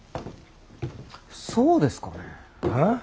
そうですかね。ああ？